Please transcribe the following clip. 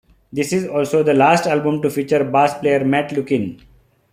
This is also the last album to feature bass player Matt Lukin.